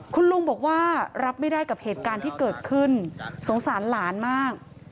คุณลุงบอกว่ารับไม่ได้กับเหตุการณ์ที่เกิดขึ้นสงสารหลานมาก